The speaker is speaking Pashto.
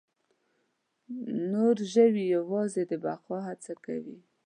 نور ژوي یواځې د بقا هڅه کوي.